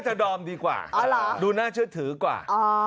จะดอมดีกว่าดูน่าเชื่อถือกว่า